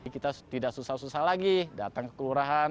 kita tidak susah susah lagi datang ke kelurahan